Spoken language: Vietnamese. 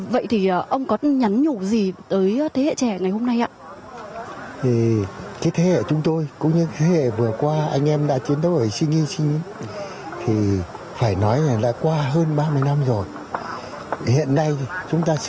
vậy thì ông có nhắn nhục gì tới thế hệ trẻ ngày hôm nay ạ